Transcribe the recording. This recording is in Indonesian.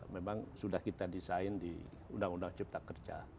memang sudah kita desain di undang undang cipta kerja